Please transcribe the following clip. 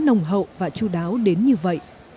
nồng hậu và chu đáo đến như vậy